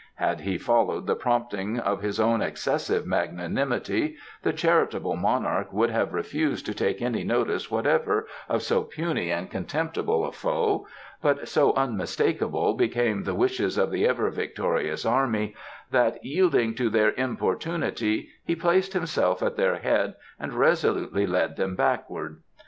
Had he followed the prompting of his own excessive magnanimity, the charitable Monarch would have refused to take any notice whatever of so puny and contemptible a foe, but so unmistakable became the wishes of the Ever victorious Army that, yielding to their importunity, he placed himself at their head and resolutely led them backward.